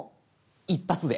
一発で。